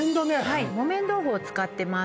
はい木綿豆腐を使ってます